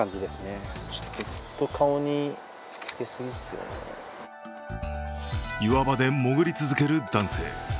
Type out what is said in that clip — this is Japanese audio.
そこに岩場で潜り続ける男性。